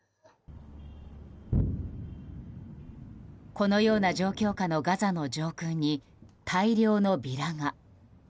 このような状況下のガザの上空に大量のビラが。